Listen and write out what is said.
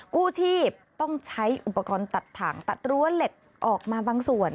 กู้ชีพต้องใช้อุปกรณ์ตัดถ่างตัดรั้วเหล็กออกมาบางส่วน